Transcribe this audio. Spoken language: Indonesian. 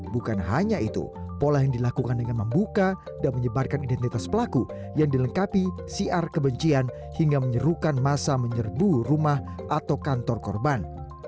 bukan hanya itu pola yang dilakukan dengan membuka dan menyebarkan identitas pelaku yang dilengkapi siar kebencian hingga menyerukan masa menyerbu rumah atau kantor korban